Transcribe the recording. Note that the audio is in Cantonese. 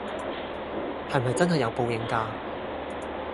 係唔係真係有報應架